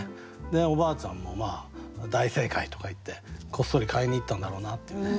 でおばあちゃんも「大正解」とか言ってこっそり買いに行ったんだろうなっていうね。